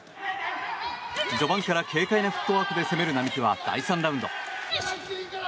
序盤から軽快なフットワークで攻める並木は第３ラウンド。